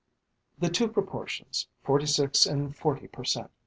The two proportions, forty six and forty per cent.